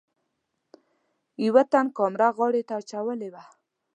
یوه تن کامره غاړې ته اچولې وه.